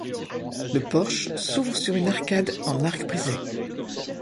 Le porche s'ouvre sur une arcade en arc brisé.